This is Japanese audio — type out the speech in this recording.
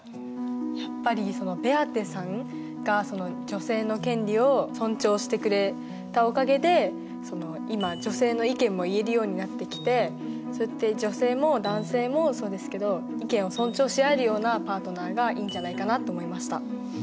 やっぱりベアテさんが女性の権利を尊重してくれたおかげで今女性の意見も言えるようになってきてそうやって女性も男性もそうですけど意見を尊重し合えるようなパートナーがいいんじゃないかなと思いました。